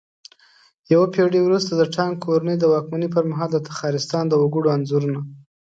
يوه پېړۍ وروسته د تانگ کورنۍ د واکمنۍ پرمهال د تخارستان د وگړو انځورونه